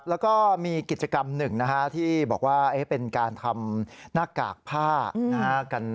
แล้วก็มีกิจกรรมหนึ่งนะฮะที่บอกว่าเป็นการทำหน้ากากผ้านะฮะ